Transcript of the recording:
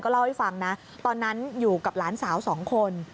เล่าให้ฟังนะตอนนั้นอยู่กับหลานสาว๒คน